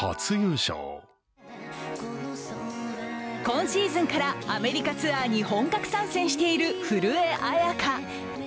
今シーズンからアメリカツアーに本格参戦している古江彩佳。